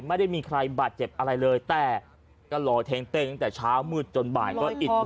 ไม่ได้มีใครบาดเจ็บอะไรเลยแต่ก็รอแทงเต้งตั้งแต่เช้ามืดจนบ่ายก็อิด